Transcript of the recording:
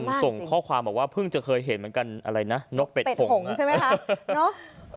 ส่งข้อความบอกว่าเพิ่งจะเคยเห็นเหมือนกันอะไรนะนกเป็ดผงใช่ไหมคะ